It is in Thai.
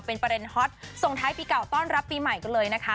เป็นประเด็นฮอตส่งท้ายปีเก่าต้อนรับปีใหม่กันเลยนะคะ